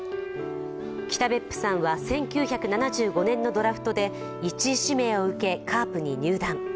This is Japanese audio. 北別府さんは１９７５年のドラフトで１位指名を受け、カープに入団。